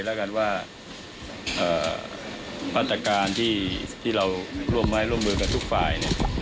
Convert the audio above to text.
และกันว่าพัฒนาการที่เราร่วมไว้ร่วมเบอร์กับทุกฝ่าย